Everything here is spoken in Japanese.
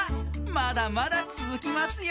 まだまだつづきますよ。